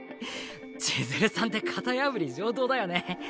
千鶴さんって型破り上等だよね。